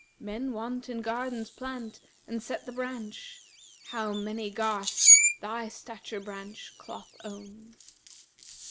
Men wont in gardens plant and set the branch, * How many garths thy stature branch cloth own!'